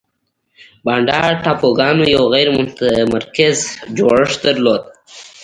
بانډا ټاپوګانو یو غیر متمرکز جوړښت درلود.